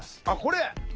あっこれ。